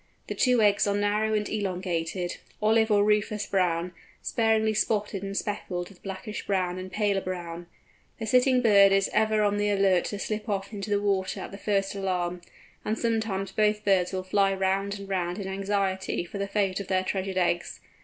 The two eggs are narrow and elongated, olive or rufous brown, sparingly spotted and speckled with blackish brown and paler brown. The sitting bird is ever on the alert to slip off into the water at the first alarm; and sometimes both birds will fly round and round in anxiety for the fate of their treasured eggs.